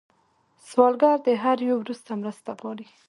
سوالګر د هر یو ورور مرسته غواړي